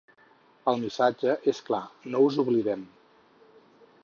El missatge és clar: No us oblidem.